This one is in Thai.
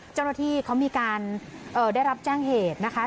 เจ้าหน้าที่เขามีการได้รับแจ้งเหตุนะคะ